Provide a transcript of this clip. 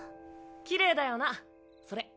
きれいだよなそれ。